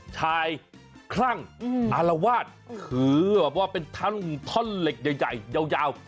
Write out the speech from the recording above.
คลั่งอารวาสถือแบบว่าเป็นท่อนเหล็กใหญ่ยาว